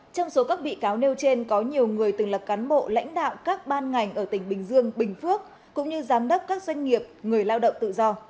trong số các bị cáo nêu trên có nhiều người từng là cán bộ lãnh đạo các ban ngành ở tỉnh bình dương bình phước cũng như giám đốc các doanh nghiệp người lao động tự do